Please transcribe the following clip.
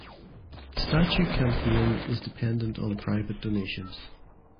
The statue campaign is dependent on private donations.